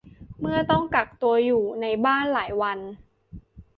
เมื่อต้องกักตัวอยู่ในบ้านหลายวัน